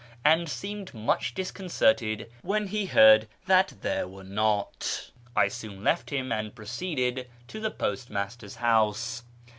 and seemed much disconcerted when he heard that tliere were not. I soon left him, and proceeded to the postmaster's house.